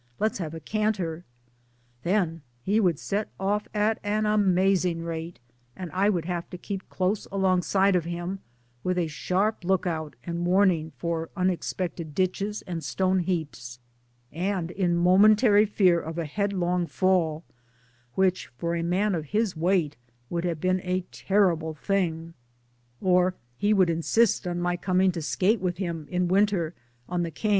Let's have a canter." Then he would set off at an amazing rate, and I would have to keep close alongside of him, with a sharp look out and warning, for unexpected ditches and stoneheaps, and in momentary fear of a headlong fall which for a man of his weight would have been a terrible thing 1 Or he would insist on my coming to skate with him, in winter, on the Cam.